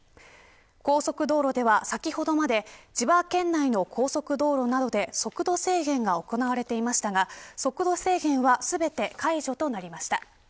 高速道路では、先ほどまで千葉県内の高速道路などで速度制限が行われていましたが速度制限は全て解除となりました。